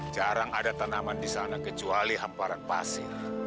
jarang ada tanaman di sana kecuali hamparan pasir